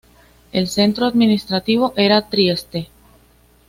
El centro administrativo era Trieste.